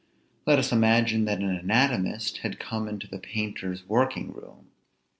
Let us imagine, that an anatomist had come into the painter's working room.